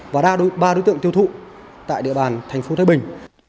và ba đối tượng tiêu thụ tại địa bàn tp thái bình